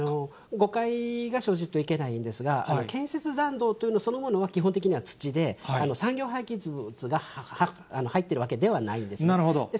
誤解が生じるといけないんですが、建設残土、そのものは基本的には土で、産業廃棄物が入っているわけではないんです。